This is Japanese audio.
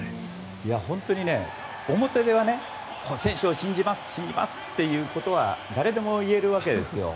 本当に、表では選手を信じます信じますということは誰でも言えるわけですよ。